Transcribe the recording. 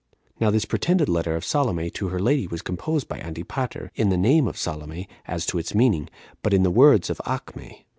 Now this pretended letter of Salome to her lady was composed by Antipater, in the name of Salome, as to its meaning, but in the words of Acme.